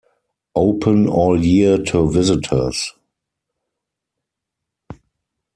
Open all year to visitors.